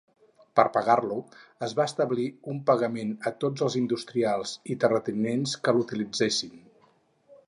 Per pagar-lo es va establir un pagament a tots els industrials i terratinents que l'utilitzessin.